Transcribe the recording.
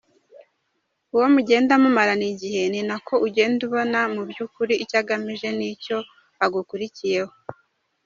Uko mugenda mumarana igihe, ninako ugenda ubona mu byukuri icyo agamije n’icyo agukurikiyeho.